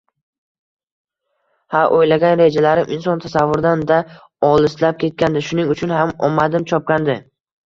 Ha, o`ylagan rejalarim inson tasavvuridan-da olislab ketgandi, shuning uchun ham omadim chopgandi